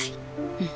うん。